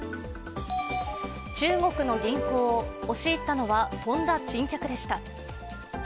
中国の銀行、押し入ったのはとんだ珍客でした。